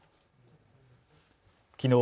きのう